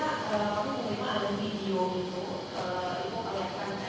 pak ijit memang ada video gitu